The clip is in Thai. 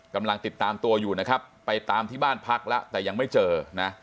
กำลังติดตามตัวอยู่นะครับไปตามที่บ้านพักแล้วแต่ยังไม่เจอนะ